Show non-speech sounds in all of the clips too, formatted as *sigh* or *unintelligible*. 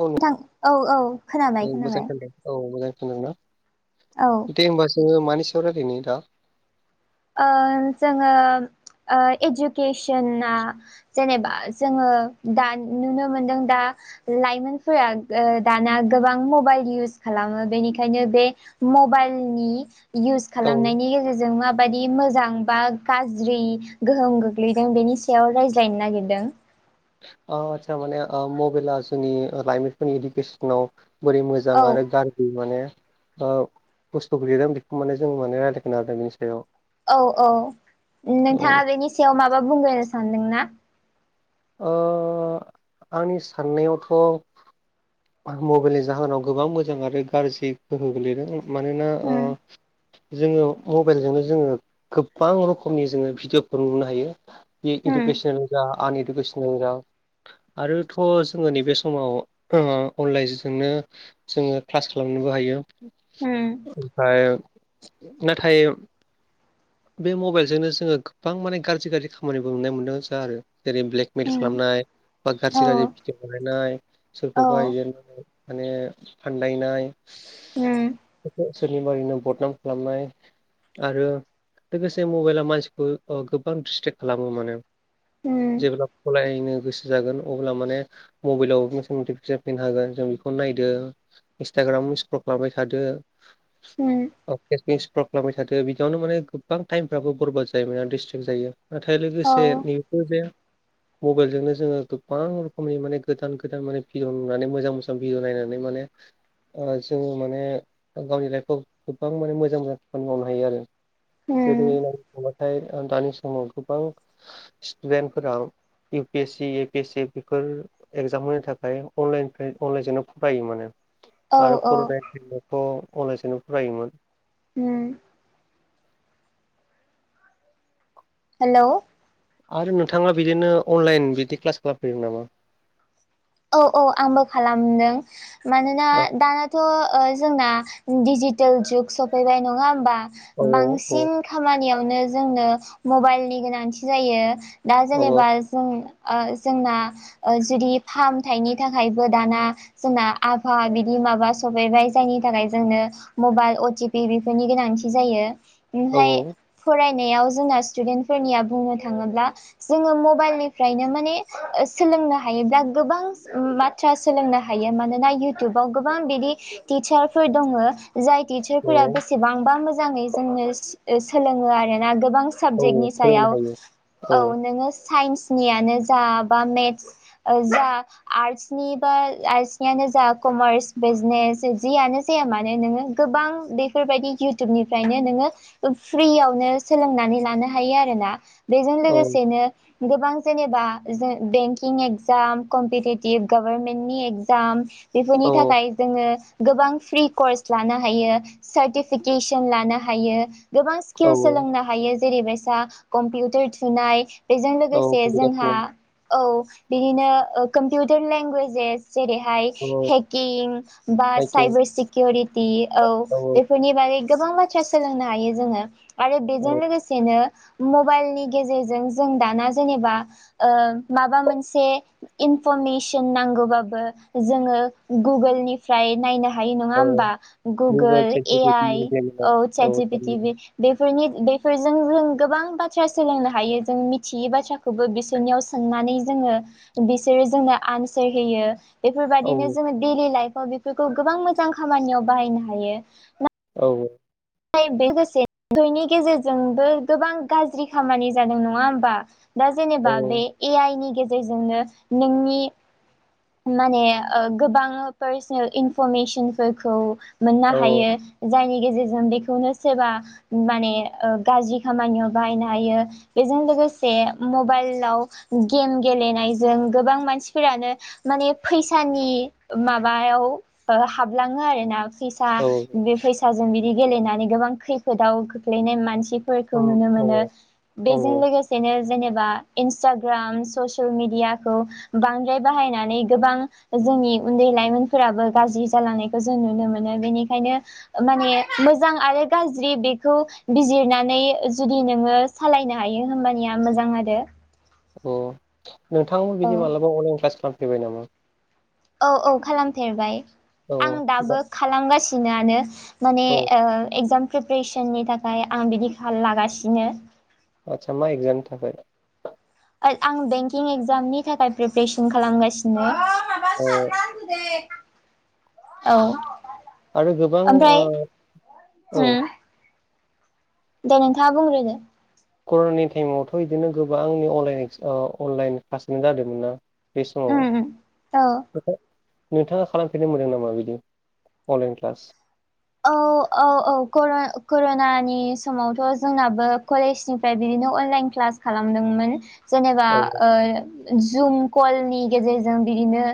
औ न नोंथां औ औ खोनाबाय खोनाबाय। औ मोजां खोनादों ना? औ। दे होनोमबा जोङो मानिसिआव रायलायनो दा? ओ जोङो इडुकेसना जेनेबा जोङो दा नुनो मोनदों दा लाइमोनफोरा दाना गोबां मबाइल इउस खालामो बेनिखायनो बे मबाइलनि इउस औ खालामनायनि गेजेरजों माब बाददि मोजां बा गाज्रि गोहोम गोग्लैदों बेनि सायाव रायज्लायनो नागिरदों। अ आचसा माने मबेला जोंनि लाइमोनफोरनि इडुकेसनाव बोरै मोजां औ आरो गार बै माने ओ बुस्थुखौ लिरदों बेखौ माने जों माने रायज्लायगोन बेनि सायाव। औ औ औ नोंथाङा बेनि सायाव माबा बुंग्रोनो सानदोंना? ओ आंनि साननायावथ'। मबाइलनि जाहोनाव गोबां मोजां आरो गाज्रि गोहो गोलैदों मानोना ओ होम जोङो मबाइलजोंनो जोङो गोबां रोखोमनि जोङो भिडिअफोर नुनो हायो। इ होम इदुकेसन जा आन इडुकेसनेल जा आरोथ' जोङो नैबे समाव ओ अनलाइनजोंनो जोङो क्लास खालामनोबो हायो। होम ओमफ्राय नाथाय बे मबाइलजोंनो जोङो गोबां माने गाज्रि गाज्रि खामानिबो नुनो मोनदों जा आरो जेरै ब्लेकमल होम खालामनाय बा गाज्रि औ गाज्रि भिडिअ बानायनाय औ सोरखौबा एदिनो माने फानदायनाय उम सोरनिबा ओरैनो बदनाम खालामनाय आरो लोगोसे मबाइला मानसिखौ अ गोबां डिसट्रेक खालामो माने उम जेब्ला फराय यनो गोसो जागोन अब्ला माने मबाइलाव *unintelligible* जाफिननो होगोन जों बेखौ नायदो इन्सटाग्रामाव स्क्रल खालामबाय थादो उम *unintelligible* स्ख्रल खालामबाय थादो बिदियावनो माने गोबां टाइमफ्राबो बरबाद जायोमोन डिसट्रेक जायो। नाथाय औ लोगोसे नै बेफोर जे मबाइल जोंनो जोङो गोबां रोखोमनि माने गोदान गोदाने भिडअ नुनानै मोजांबो भिडअ नायनानै माने ओ जोङो माने गावनि लाइफआव गोबां माने मोजां मोजां खामानि मावनो हायो आरो जेरै उम *unintelligible* दानि समाव गोबां स्टुदेन्टफोरा U P S C A P S C before exam होनो थाखाय अनलाइनफ्राय अनलाइनजोंनो फरायो माने औ आरो औ *unintelligible* ' अनलाइसोनो फरायोमोन उम हेलौ आरो नोंथाङा बिदिनो अनलाइन बिदि क्लास खालामफेरदों नामा? औ औ आंबो खालामदों मानोना औ दाना थ' ओ जोंना डिजिटेल जुग सफैबाय नङा होमबा औ औ बांसिन खामानियावनो जोंनो मबाइलनि गोनांथि जायो दा औ जेनेबा जों ओ जोंना जुदि फाहामथायनि थाखायबो दाना जोंना आफभा बिदि माबा सफैबाय जायनि थाखाय जोंनो मबाइल अटिपि बेफोरनि गोनांथि जायो औ ओमफ्राय फरायनायाव जोंना स्टुडेन्टफोरनिया बुंनो थाङोब्ला जोङो मबाइलनिफ्रायनो माने सोलोंनो हायोब्ला गोबां बाथ्रा सोलोंनो हायो मानोना इउटुबाव गोबां बिदि टिचारफोर दङो जाय औ टिचारफोरा बेसेबांबा मोजाङै जोंनो सोलोङो आरो ना गोबां औ साबजेक्टनि फोरोंनो सायाव हायो औ नोङो साइन्सनियानो जा बा मेथ्स जा आर्टसनि बा आर्टसनियानो जा कमार्स बिजनेस जियानो जाया मानो नोङो गोबां बेफोरबायदि इउटुबनिफ्रायनो नोङो फ्रियावनो सोलोंनानै लानो हायो आरोना। बेजों औ लोगोसेनो गोबां जेनेबा जो बेंकिं ए गजाम कम्पिटिटिभ गभारनमेन्टनि एगजाम बेफोरनि औ थाखाय जोङो गोबां फ्रि कर्स लानो हायो सार्टिफिकेसन लानो हायो। गोबां औ स्किल सोलोंनो हायो जेरैबायसा कम्पिउटार थुनाय बेजों औ लोगोसे कम्पिउटार जोंहा थुन औ बिदिनो कम्पिउटार लेंगुवेजेस जेरैहाय औ हेकिं बा राइटिं साइबार सिकिउरिटि औ बेफोरनि बागै गोबां बाथ्रा सोलोंनो हायो जोङो आरो बेजों औ लोगो सेनो मबाइनि गेजेरजों जों दाना जेनेबा ओ माबा मोनसे से इनफरमेसन नांगौबाबो जोङो गुगोलनिफ्राय नायनो हा हायो नङा औ हबा गुगोल चेट ए जिपिटि आइ जेमिनाइ औ सैथ जि पि टि बे बेफोरनि बेफोरजों जों गोबां बाथ्रा सोलोंनो हायो जों मिथियै बाथ्रा खौबो बिसोरनियाव सोंनानै जोङो बिसोरो जोंनो आनसार होयो औ बेफोरबायदिनो जोङो दैलि लाइफाव बेफोरखौ गोबां मोजां खामानियाव बाहायनो हायो ना औ औ थाय बे गोसे *unintelligible* गेजेरजोंबो गोबां गाज्रि खामानि जादों नङा होमबा? दा औ जेनेबा बे ए आइ नि गेजेरजोंनो नोंनि माने ओ गोबां पार्सनेल इनफरमेसनफोरखौ मोननो औ हायो जायनि गेजेरजों बेखौनो सोरबा माने ओ गाज्रि खामानियाव बाहायनो हायो। बेजों लोगोसे मबाइलआव गेम गेलेनायजों गोबां मानसिफोरानो माने फैसानि माबायाव ओ हाबलाङो आरोना। फैसा औ बे फैसाजों बिदि गेलेनानै गोबां खैफोदाव खोख्लैनाय मानसि फोरखौ औ नुनो औ मोनो। बेजों औ लोगोसेनो जेनेबा इनस्टाग्राम ससियेल मेडियाखौ बांद्राय बाहायना नै गोबां जोंनि उन्दै लाइमोनफोराबो गाज्रि जालांनायखौ जों नुनो मोनो बेनिखायनो माने मोजां आरो गाज्रि बेखौ बिजिरनानै जुदि नोङो सालायनो हायो होमबानिया मोजां आरो। अ नोंथाङाबो औ बिदि मालाबा अनलाइन क्लास खालामफैबाय नामा? औ औ खालामफेरबाय औ आं मा दाबो खालामगासिनोआनो। माने औ ओ एगजाम प्रिपेरेसननि थाखाय आं बिदि खाल लागासिनो। आदसा मा एग्जामनि थाखाय? *unintelligible* आं बेंकिं एगजामनि थाखाय प्रिपेरेसन खालामगासिनो। माबा औ सारना *unintelligible* औ आरो गोबां ओमफ्राय ओ औ उम दे नोंथाङा बुंग्रोदो। कर'ननि टाइमावथ' इदिनो गोबांनि अनलाइन एक्स ओ अनलाइन क्लासनो जादोंमोन ना? बे समाव उम उम औ *unintelligible* नोंथाङा खालामफेरनो मोनदों नामा बिदि अनलाइन क्लास? औ औ औ कर' कर'नानि समावथ' जोंनाबो कलेजनि फ्राय बिदिनो अनलाइन क्लास खालामदोंमोन जेनेबा औ ओ जुम कलनि गेजेरजों बिदिनो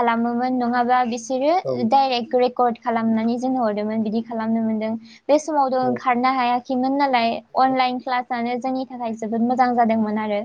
खालामोमोन नङाबा बिस सोरो औ डायरेक्ट रेकर्ड खालामनानै जोंनो हरदोंमोन बिदि खालामनो मोनदों। बे समावद' औ ओंखारनो हायाखिमोन नालाय अनलाइन क्लास जानो जोंनि थाखाय जोबोद मोजां जादोंमोन आरो।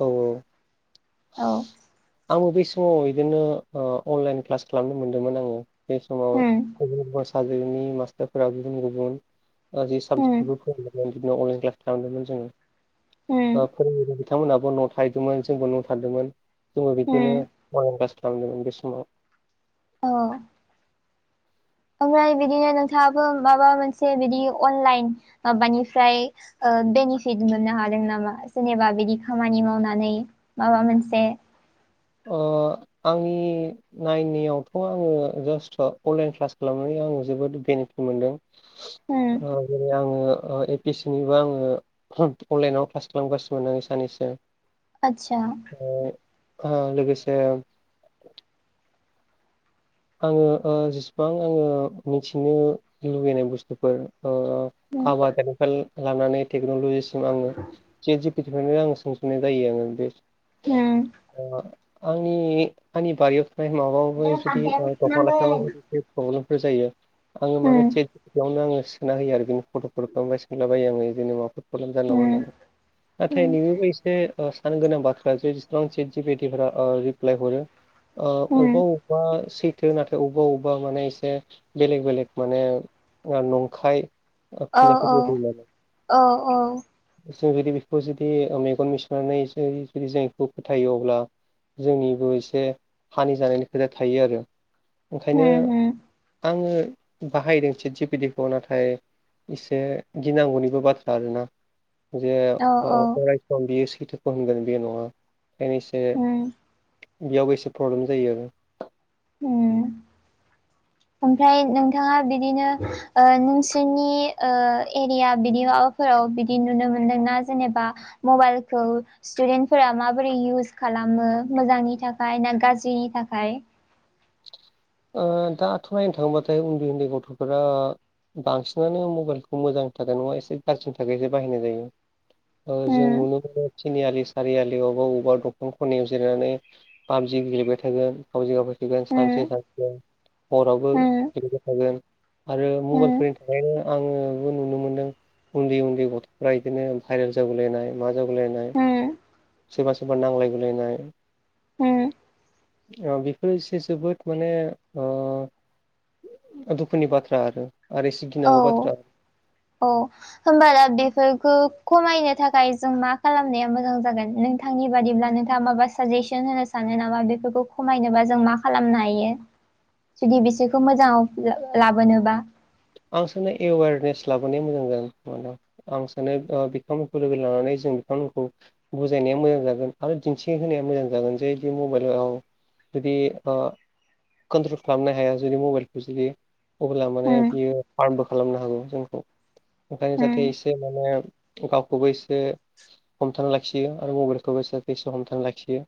औ औ। औ आंबो बै समाव इदिनो ओ अनलाइन क्लास खालामनो मोनदोंमोन आङो। बे समाव उम गुबुन गुबुन साजेक्टनि मास्टारफोरा गुबुन गुबुन ओ जि उम साबजेक्टखौबो फोरोंदोंमोन बिदिनो अनलाइन क्लास खालामदोंमोन जोङो। उम फोरोंबोदों बिथांमोनहाबो न' थाहैदोंमोन जोंबो न' थांदोंमोन जोंबो बिब्दिनो उम अनलाइन क्लास खालामदोंमोन बे समाव। औ ओमफ्राय बिदिनो नोंथाङाबो माबा मोनसे बिदि अनलाइन माबानिफ्राय ओ बेनिफिट मोननो हादों नामा जेनेबा बिदि खामानि मावनानै माबा मोनसे? अ आंनि नायनायावथ' आङो जास्ट' अनलाइन क्लास खालामनानै आं जोबोद बेनिफिट मोनदों। *inaudible* ओ जेरै आङो ओ ए पि एस सि निबो आङो अनलाइनाव क्लास खालामगासिनो आं सानानैसो आतसा। *inaudible* ओ लोगोसे आङो ओ जेसेबां आङो मिथिनो लुुबैनाय बुस्थुफोर ओ उम आबादारिनिफ्राय लानानै टेक्न'लजिसिम आङोे बिनिफ्रायनो आं सोंफिनाय जायो आङो बे उम आंनि आंनि बारियाव थानाय माबाबो बे जुदि खामफ्लायाबो दंफां लाइफां सुनांगोन प्रब्लेमफोर जायो आङो माने उम थिग बेयावनो आङो सोना होयो आरो बिदिनो फट'फोरफोरखौ सोंलाबायो आङो बिदिनो माबाफोर प्रब्लेम जानाय नङा उम होननानै नाथाय उम नोंनिबो एसे सान गोनां बाथ्रा जे जसेबां चे जि पेफोरा रिप्लाय हरो ओ अबा उम अबा स थो नाथाय अबेबा अबेबा माने एसे बेलेग बेलेग माने नंखाय औ औ फिनायफोरबो होयो आरो। औ औ जों जुदि बेखौ जुदि मेगन मिसिबनानै जुदि जों बेखौ फोथायो अब्ला जोंनिबो एसे हानि जानायनि खोथा थायो आरो। उम ओंखायनो आङो बाहायदों चिजबिदिखौ नाथाय इसे गिनांगौनिबो बाथ्रा आरो ना? जे औ औ अरायसम बियो सैथोखौ होनगोन बे नङा। से उम बेयावबो एसे प्रब्लेम जायो आरो उ *inaudible* ओमफ्राय नोंथाङा बिदिनो ओ नोंसोरनि ओ एरिया बिदियाव म फोराव बिदि नुनो मोनदोंना जेनेबा मबाइलखौ स्टुदेन्टफोरा माबोरै इउस खालामो मोजांनि थाखाय ना गाज्रिनि थाखाय। दाथ' नायनो थाङोबाथाय उन्दै उन्दै गथ'फोरा बांसिनानो मबाइलखौ मोजांनि थाखाय नङा एसे गारजिनि थाखायसो बाहायनाय जायो। ओ जों उम नुनो मोनो थिनि आलि सारि आलि बबेबा अबेबा दखान खनायाव जिरनानै पाबजि गेलेबाय थागोन फाबजि गाबै थगोन सानसे उम सान हरावबो उम गेलबाय थागोन आरो उम मबाइलफोरनि थाखायनो आङोबो नुनो मोनदों उन्दै उन्दै गथ'फ्रा बिदिनो भाइरेल जागुलायनाय मा जागुलायनाय उम सोरबा सोरबा नांलाय बोलायनाय उम बेफोरो एसे जोबोद माने आ दुखुनि बाथ्रा आरो आरो इसे औ गिनांगौ बाथ्रा औ होमबा दा बेफोरखौ खमायनो थाखाय जों मा खालामनाया मोजां जागोन नोंथां नोंथांनि बादिब्ला नोंथाङा माबा साजेसन होनो सानो नामा बेफोरखौ खमायनोबा जों मा खालामनो हायो। जुदि बिसोरखौ मोजाङाव लाबोनोबा आं सानो एवेरनेस लाबोनाया मोजां जागोन खोमादां आं सानो ओ बिथांमोनखौ लोगो लानानै जों बिथांमोनखौ बुजायनाया मोजां जागोन आरो दिन्थिहोनाया मोजां जागोन जेदि मबाइलाव जुदि कन्ट्रल खालामनो हाया जुदि मबाइलखौ जुदि अब्ला माने उम फार्बो खालामनो हागौ जोंखौ ओंखायनो जाहाथे उम एसे माने गावखौबो एसे हमथा लाखियो आरो मबाइलखौ बेसेसे हमथानानै लाखियो।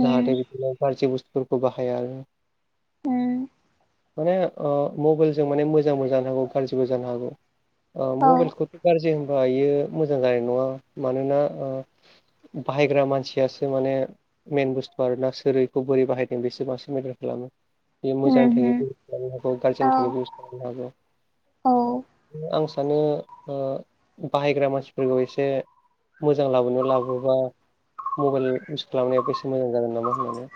जाहा बि बुस् बेखौ बाहाया उम माने आ ओ मबाइलजों जों माने मोजांबो जानो हागौ आ औ मबाइलखौथ' गाज्रि होनबा बियो मोजां जानाय नङा मानोना ओ बाहायग्रा मानसियासो माने मेन बुस्थु आरोना सोरैखौ बोरै बाहायदों बेसो बांसिन मेटार खालामो बे मोजांनि थाखाय उमहो बेबस्था खालामनो हागौ गाज्रिनि औ थाखाय बेबस्था खालामनो हागौ औ आं सानो आं सानो ओ बाहायग्रा मानसि एसे मोजां लाबोनो लाबोबा मबाइल इउस खालामनाया बेसे मोजां जागोन नामा होननानै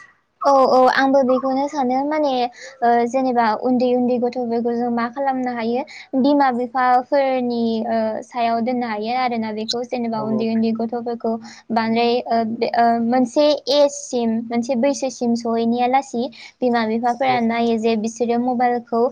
औ औ आंबो बेखौनो सानो माने ओ जेनेबा उन्दै उन्दै गथ'फोरखौ जों मा खालामनो हायो बिमा बिफाफोरनि सायाव दोननो हायो आरोना बेखौ जेनेबा औ उन्दै उन्दै गथ'फोरखौ बांद्राय मोनसे एजसिम ओ मोनसे बैसोसिम सहैनाया लासि बिमा बिफाफोरा औ नायो जे बिसोरो मबाइलखौ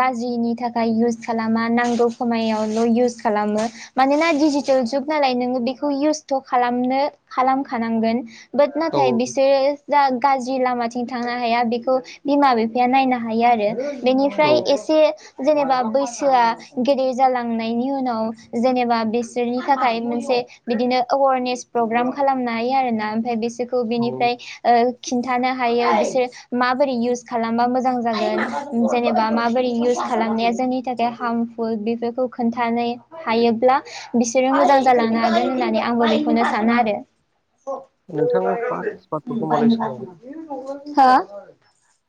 गाज्रिनि थाखाय इउस खालामा नांगौ समायावल' इउस खालामो मानोना दिडिजिटेल जुग नालाय नोङो बेखौ इउसथ' खालामनो खालामखानांगोन बोद नाथाय बिसोरो जा गाज्रि लामाथिं थांनो हाया बेखौ बिमा बिफाया नायनो हायो आरो औ बेनिफ्राय एसे जेनेबा बैसोआ गेदेर जालांनायनि उनाव जेनेबा बिसोरनि थाखाय मोनसे बिदिनो एवारनेस प्रग्राम खालामनो हायो आरोना ओमफ्राय बिसोरखौ औ औ बिनिफ्राय ओ खिन्थानो हायो बिसोर माबोरै इउस खालामबा मोजां जागोन जेनेबा माबोरै इउस खालामनाया जोंनि थाखाय हार्मफुल बेफोरखौ खोन्थानाय हायोब्ला बिसोरो मोजां जालांनो हागोन होननानै आंबो बेखौनो सानो आरो नोंथां बाट *inaudible* हो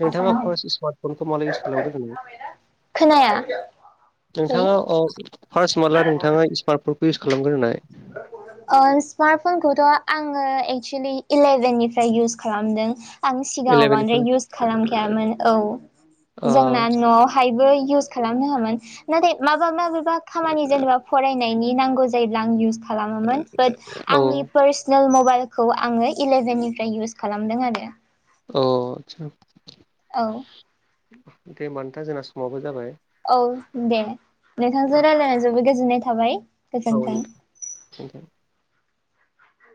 नोंथाङा फार्स स्मार्टफनखौ मारै‌ इउस खालामग्रोदोंमोन नोंथाङा औ फार्स्ट माब्ला नोंथाङा स्मार्ट फनखौ इउस खालामग्रोनाय *inaudible* स्मार्ट फनखौथ' आङो एक्सुलि इलेभेननिफ्राय इउस खालामदों आं सिगाङाव इलेभेननिफ्राय बांद्राय इउस खालामखायामोन औ अ जोंना न'आवहायबो इउस खालामनो होआमोन नाथाय माबा माबेबा खामानि जेनेबा फरायनायनि नांगौ जायोब्ला आं इउस खालामोमोन बाट औ आंनि फार्स जों मबाइलखौ आङो इलेभेननिफ्राय इउस खालामदों आरो औ आदसा औ दे ओमबा नोंथां जोंना समाबो जाबाय औ दे नोंथांजों रायलायना जोबोद गोजोननाय थाबाय औ गोजोन्थों। नोंथां थेंकइउ